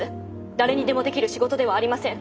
誰にでもできる仕事ではありません。